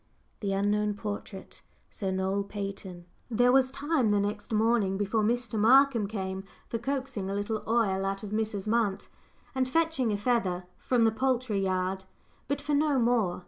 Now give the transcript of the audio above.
The Unknown Portrait SIR NOEL PATON. There was time the next morning, before Mr. Markham came, for coaxing a little oil out of Mrs. Munt, and fetching a feather from the poultry yard, but for no more.